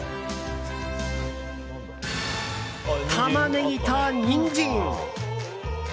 タマネギとニンジン！